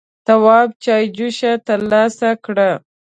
تواب چايجوشه تر لاسه کړه.